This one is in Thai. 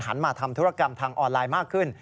มาทำธุรกรรมทางออนไลน์มากขึ้น